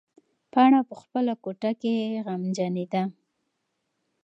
پاڼه په خپله کوټه کې غمجنېده.